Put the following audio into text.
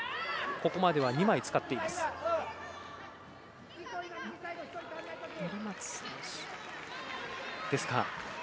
ここまでは２枚使っています。